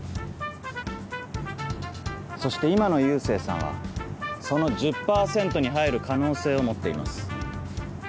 そして今の佑星さんはその１０％に入る可能性を持っています。